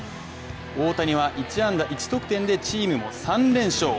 大谷は１安打１得点でチームも３連勝。